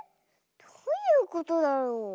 どういうことだろう？